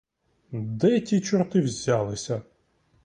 Де ті чорти взялися!